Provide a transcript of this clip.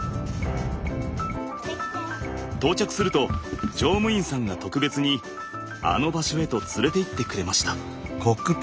到着すると乗務員さんが特別に「あの場所」へと連れて行ってくれました。